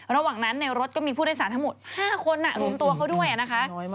ระหว่างนั้นในรถก็มีผู้โดยสารทั้งหมด๕คนรวมตัวเขาด้วยนะคะ